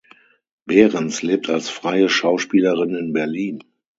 Behrens lebt als freie Schauspielerin in Berlin.